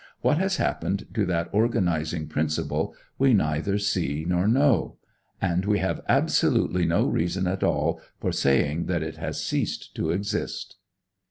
What has happened to that organizing principle we neither see nor know; and we have absolutely no reason at all for saying that it has ceased to exist.